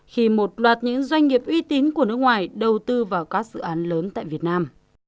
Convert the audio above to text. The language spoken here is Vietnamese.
khi một loạt những doanh nghiệp uy tín của nước ngoài đầu tư vào các dự án lớn tại việt nam